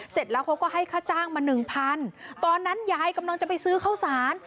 เสร็จแล้วเขาก็ให้ค่าจ้างมาหนึ่งพันตอนนั้นยายกำลังจะไปซื้อข้าวสาร